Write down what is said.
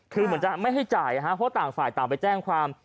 คือเหมือนจะไม่ให้จ่ายเพราะต่างฝ่ายต่างไปแจ้งความ